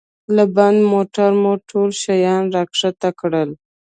له بند موټره مو ټول شیان را کښته کړل.